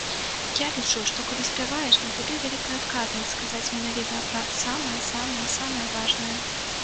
Я лічу, што, калі спяваеш, на табе вялікая адказнасць, сказаць менавіта пра самае-самае-самае важнае.